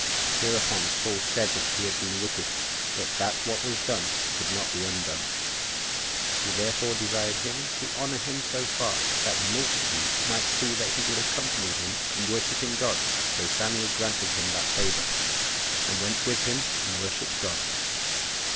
Hereupon Saul said that he had been wicked, but that what was done could not be undone: he therefore desired him to honor him so far, that the multitude might see that he would accompany him in worshipping God. So Samuel granted him that favor, and went with him and worshipped God.